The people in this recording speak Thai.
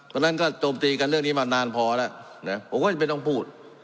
เพราะฉะนั้นก็โจมตีกันเรื่องนี้มานานพอแล้วนะผมก็จะไม่ต้องพูด